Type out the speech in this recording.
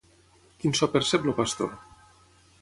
Quin so percep el pastor?